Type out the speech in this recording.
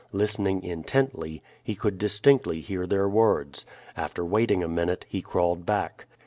Listening intently he could distinctly hear their words. After waiting a minute he crawled back.